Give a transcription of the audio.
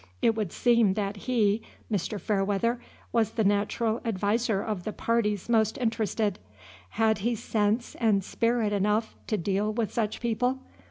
It would seem that he, Mr. Fairweather, was the natural adviser of the parties most interested. Had he sense and spirit enough to deal with such people?